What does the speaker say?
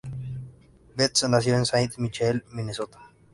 Betts nació en Saint Michael, Minnesota.